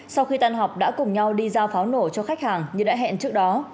sau khi tan học đã cùng nhau đi giao pháo nổ cho khách hàng như đã hẹn trước đó